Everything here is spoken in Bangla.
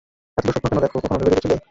এত দুঃস্বপ্ন কেন দেখো কখনও ভেবে দেখেছিলে?